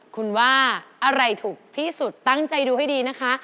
คุณว่าอะไรถูกที่สุดตั้งใจดูให้ดีนะคะ